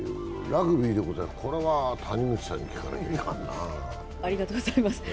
ラグビーでございます、これは谷口さんに聞かないと。